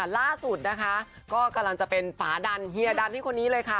ล่าสุดนะคะก็กำลังจะเป็นฝาดันเฮียดันที่คนนี้เลยค่ะ